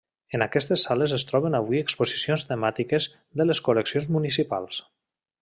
En aquestes sales es troben avui exposicions temàtiques de les col·leccions municipals.